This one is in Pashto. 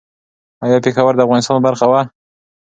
ایا پېښور د افغانستان برخه وه؟